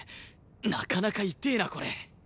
なかなか痛えなこれ。